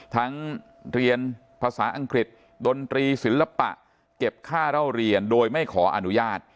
เรียนภาษาอังกฤษดนตรีศิลปะเก็บค่าเล่าเรียนโดยไม่ขออนุญาต